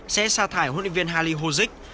sẽ xa thải huấn luyện viên hali hozik